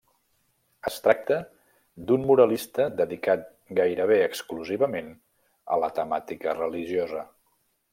Es tracta d'un muralista dedicat gairebé exclusivament a la temàtica religiosa.